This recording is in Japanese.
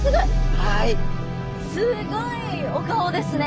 すごいお顔ですね。